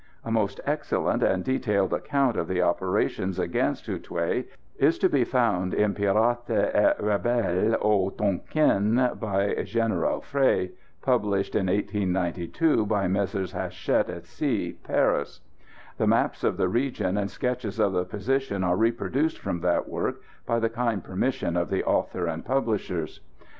[Footnote 1: A most excellent and detailed account of the operations against Hou Thué is to be found in "Pirates et Rebelles au Tonkin," by General Frey, published in 1892 by Messrs Hachette et Cie, Paris. The maps of the region and sketches of the position are reproduced from that work by the kind permission of the author and publishers.